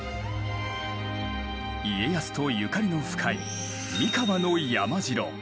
家康とゆかりの深い三河の山城。